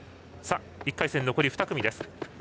１回戦、残り２組です。